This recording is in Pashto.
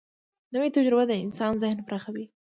نوې تجربه د انسان ذهن پراخوي